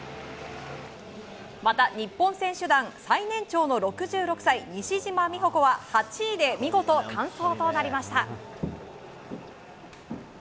また日本選手団最年長の６６歳西島美保子は８位で見事完走となりました。